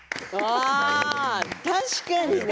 確かにね。